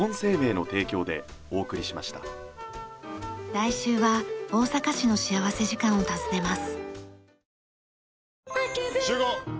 来週は大阪市の幸福時間を訪ねます。